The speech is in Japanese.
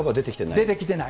出てきてない。